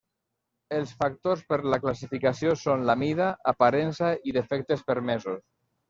Els factors per la classificació són la mida, aparença i defectes permesos.